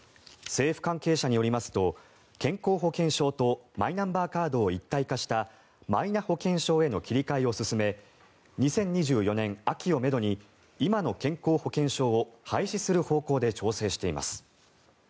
政府関係者によりますと健康保険証とマイナンバーカードを一体化したマイナ保険証への切り替えを進め２０２４年秋をめどに今の健康保険証を廃止する方向で調整しています。